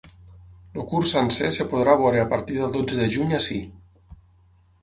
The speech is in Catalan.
El curt sencer es podrà veure a partir del dotze de juny ací.